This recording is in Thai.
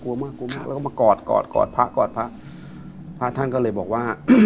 กลัวมากแล้วก็มากอดกอดกอดพระกอดพระพระท่านก็เลยบอกว่า